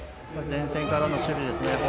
前線からの守備ですね。